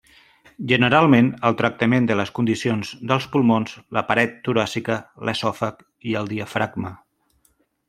Generalment el tractament de les condicions dels pulmons, la paret toràcica, l'esòfag i el diafragma.